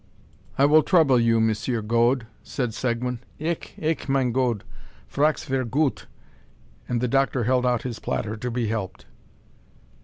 "I will trouble you, Monsieur Gode," said Seguin. "Ich, ich, mein Gode; frocks ver goot;" and the doctor held out his platter to be helped.